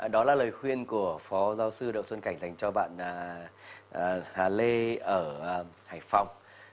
đó là lời khuyên của phó giáo sư đậu xuân cảnh dành cho bạn hà lê ở hải phòng